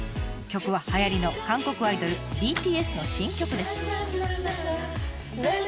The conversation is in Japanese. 曲ははやりの韓国アイドルＢＴＳの新曲です。